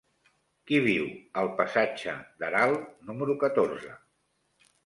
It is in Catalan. Qui viu al passatge d'Aral número catorze?